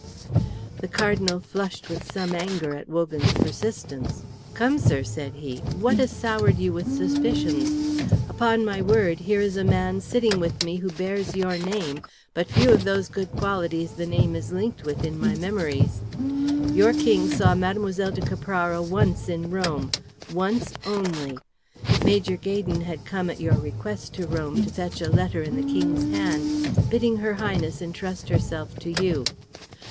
The Cardinal flushed with some anger at Wogan's persistence. "Come, sir," said he, "what has soured you with suspicions? Upon my word, here is a man sitting with me who bears your name, but few of those good qualities the name is linked with in my memories. Your King saw Mlle. de Caprara once in Rome, once only. Major Gaydon had come at your request to Rome to fetch a letter in the King's hand, bidding her Highness entrust herself to you.